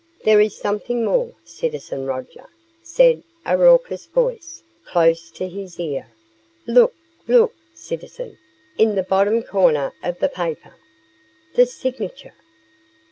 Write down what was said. "There is something more, citizen Roger," said a raucous voice close to his ear. "Look! Look, citizen in the bottom corner of the paper!" "The signature."